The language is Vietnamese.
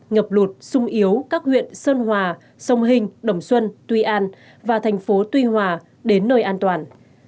ngập lụt sung yếu các huyện sơn hòa sông hình đồng xuân tuy an và thành phố tuy hòa đến nơi an toàn